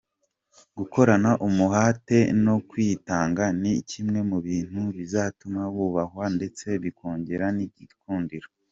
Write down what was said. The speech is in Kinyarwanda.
Gukorana umuhate no kwitanga ni kimwe mu bintu bizatuma wubahwa ndetse bikongerere n’igikundiro.